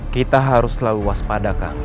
kita harus selalu waspada kang